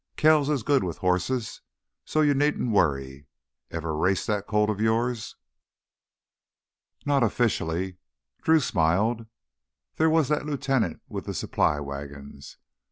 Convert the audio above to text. Kells is good with horses, so you needn't worry. Ever raced that colt of yours?" "Not officially." Drew smiled. There was that lieutenant with the supply wagons.